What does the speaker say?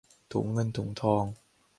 ถุงเงินถุงทอง